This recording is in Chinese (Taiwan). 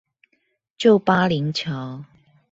舊巴陵橋